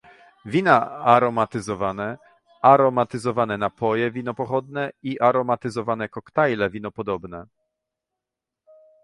Wina aromatyzowane, aromatyzowane napoje winopochodne i aromatyzowane koktajle winopodobne